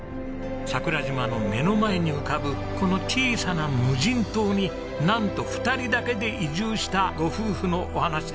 桜島の目の前に浮かぶこの小さな無人島になんと２人だけで移住したご夫婦のお話です。